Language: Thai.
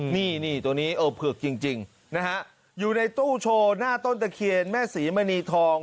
นี่ตัวนี้เออเผือกจริงนะฮะอยู่ในตู้โชว์หน้าต้นตะเคียนแม่ศรีมณีทอง